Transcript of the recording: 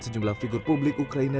sejumlah figur publik ukraina